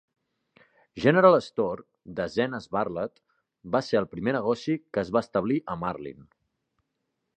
General Store, de Zenas Barlett, va ser el primer negoci que es va establir a Marlin.